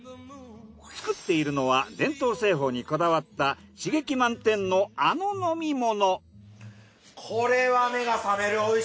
つくっているのは伝統製法にこだわった刺激満点のあの飲み物。